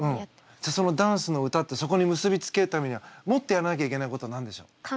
じゃあそのダンス歌ってそこに結び付けるためにはもっとやらなきゃいけないことは何でしょう？